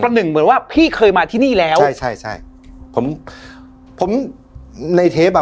หนึ่งเหมือนว่าพี่เคยมาที่นี่แล้วใช่ใช่ใช่ผมผมในเทปอ่ะ